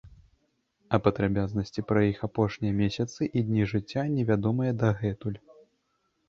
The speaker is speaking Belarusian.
А падрабязнасці пра іх апошнія месяцы і дні жыцця не вядомыя дагэтуль.